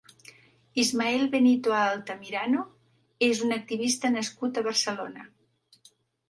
Ismael Benito Altamirano és un activista nascut a Barcelona.